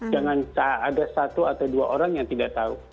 jangan ada satu atau dua orang yang tidak tahu